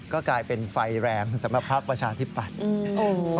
ก็กลายเป็นไฟแรงสำหรับภักดิ์ประชาธิปัตย์